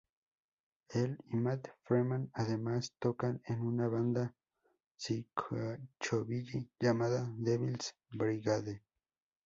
Él y Matt Freeman además tocan en una banda psychobilly llamada Devils Brigade.